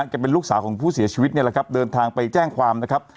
ก็เป็นลูกสาวของผู้เสียชีวิตเนี่ยแหละครับเดินทางไปแจ้งความนะครับ